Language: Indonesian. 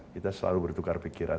kita selalu bertukar pikiran